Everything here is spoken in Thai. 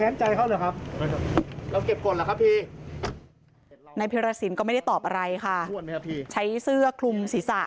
นายพิรสินก็ไม่ได้ตอบอะไรค่ะใช้เสื้อคลุมศีรษะ